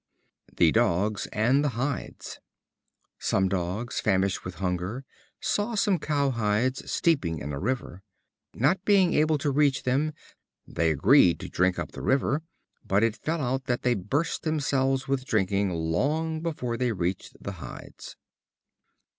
The Dogs and the Hides. Some Dogs, famished with hunger, saw some cow hides steeping in a river. Not being able to reach them, they agreed to drink up the river; but it fell out that they burst themselves with drinking long before they reached the hides.